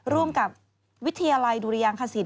ร่วมกับวิทยาลัยดุรยางขสิน